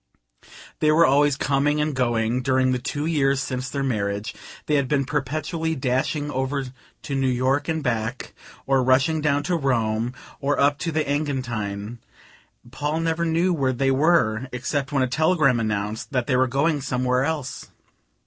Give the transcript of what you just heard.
They were always coming and going; during the two years since their marriage they had been perpetually dashing over to New York and back, or rushing down to Rome or up to the Engadine: Paul never knew where they were except when a telegram announced that they were going somewhere else.